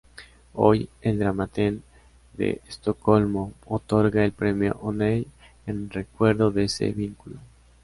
Hoy el Dramaten de Estocolmo otorga el Premio O’Neill, en recuerdo de ese vínculo.